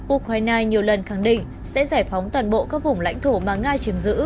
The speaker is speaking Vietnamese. ukraine nhiều lần khẳng định sẽ giải phóng toàn bộ các vùng lãnh thổ mà nga chiếm giữ